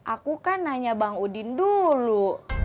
aku kan nanya bang udin dulu